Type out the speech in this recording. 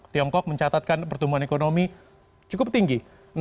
tiongkok mencatatkan pertumbuhan ekonomi cukup tinggi